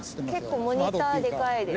結構モニターでかいです。